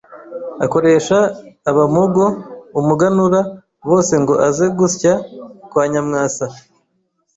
akoresha Abamogo ’umuganura bose ngo aze gusya kwa Nyamwasa